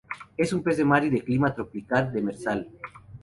Es un pez de mar y de clima tropical demersal.